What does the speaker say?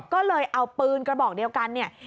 ก็เลยเอาปืนกระบอกเดียวกันเนี่ย